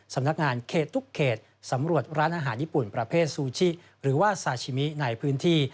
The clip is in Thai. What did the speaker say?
สำนักงานเขตทุกเขตสำรวจร้านอาหารญี่ปุ่นประเภทซูชิหรือว่าซาชิมิในพื้นที่